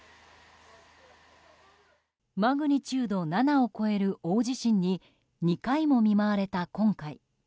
マグニチュード７を超える大地震に２回も見舞われた今回。